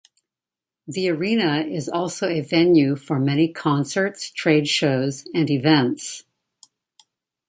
The arena is also a venue for many concerts, trade shows, and events.